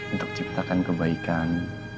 untuk ciptakan kebaikan